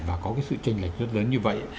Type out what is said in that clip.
và có cái sự tranh lệch rất lớn như vậy